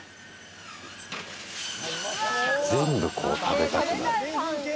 全部食べたくなる。